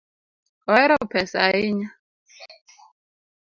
Ohero pesa ahinya